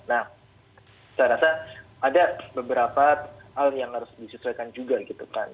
nah saya rasa ada beberapa hal yang harus disesuaikan juga gitu kan